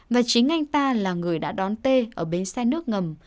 và chính anh ta là người đã đón tê ở bên xe nước ngầm